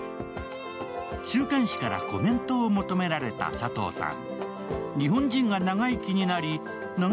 週刊誌からコメントを求められた佐藤さん。